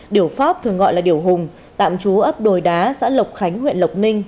điều pháp thường gọi là điều hùng tạm trú ấp đồi đá xã lộc khánh huyện lộc ninh